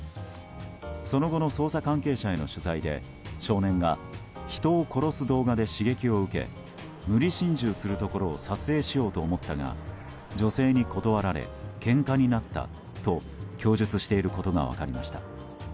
その後の捜査関係者への取材で少年が人を殺す動画で刺激を受け無理心中するところを撮影しようと思ったが女性に断られ、けんかになったと供述していることが分かりました。